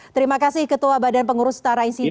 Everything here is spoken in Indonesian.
terima kasih ketua badan pengurus utara insinyur